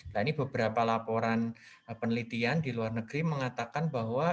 nah ini beberapa laporan penelitian di luar negeri mengatakan bahwa